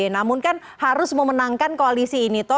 namun kan harus memenangkan koalisi ini toh